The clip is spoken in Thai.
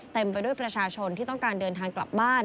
ไปด้วยประชาชนที่ต้องการเดินทางกลับบ้าน